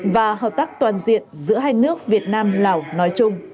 và hợp tác toàn diện giữa hai nước việt nam lào nói chung